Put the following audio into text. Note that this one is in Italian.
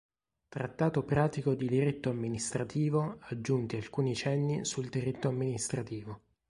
Trattato pratico di diritto amministrativo aggiunti alcuni cenni sul diritto amministrativo".